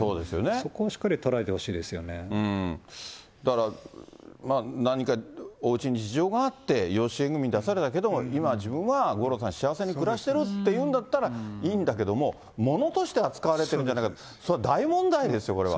そこをしっかり捉えてほしいですだから、何かおうちに事情があって、養子縁組に出されたけども、今自分は五郎さん、幸せに暮らしてるっていうんだったら、いいんだけども、ものとして扱われているんじゃないか、それ大問題ですよ、これは。